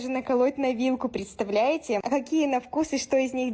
เออใช่มั้ยปุ้ยตลบไปคงงี้ใช่มั้ย